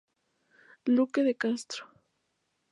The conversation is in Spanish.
Luque de Castro.